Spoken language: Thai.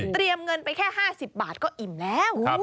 เตรียมเงินไปแค่ห้าสิบบาทก็อิ่มแล้ว